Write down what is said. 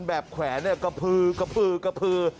แขวนกระพือกระพือกระพือ